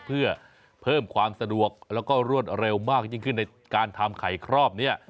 เพื่อเพิ่มความสะดวกแล้วก็รวดเร็วมากยิ่งขึ้นในการทำไข่ครอบเนี่ย